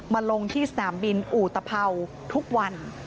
ลงที่สนามบินอุตภัวร์ทุกวัน